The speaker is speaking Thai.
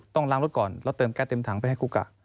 ต้องล้างรถก่อนแล้วเติมแก๊สเต็มถังไปให้คุกกะ